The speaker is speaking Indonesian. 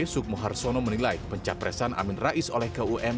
sukmo harsono menilai pencapresan amin rais oleh kum